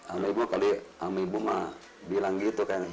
ami ibu mah bilang gitu kan